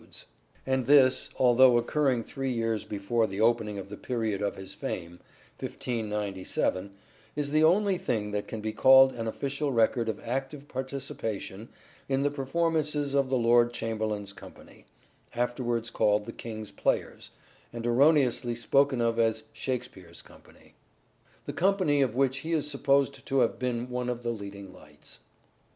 78 " SHAKESPEARE " IDENTIFIED And this, although occurring three years before the opening of the period of his fame (1597) is the only thing that can be called an official record of active participation in the performances of the Lord Chamberlain's Company, afterwards called the King's Players, and erroneously spoken of as Shakespeare's company : the company of which he is supposed to have been one of the leading lights.